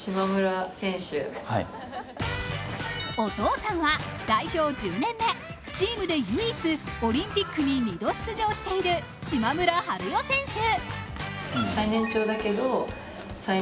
お父さんは代表１０年目、チームで唯一２度出場している島村春世選手。